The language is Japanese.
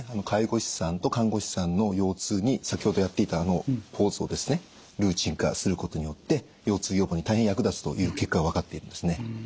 介護士さんと看護師さんの腰痛に先ほどやっていたあのポーズをですねルーチン化することによって腰痛予防に大変役立つという結果が分かっているんですね。